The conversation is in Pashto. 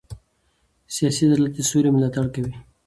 سیاسي عدالت د سولې ملاتړ کوي